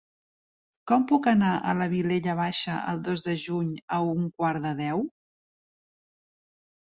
Com puc anar a la Vilella Baixa el dos de juny a un quart de deu?